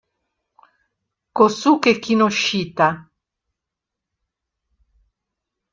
Kōsuke Kinoshita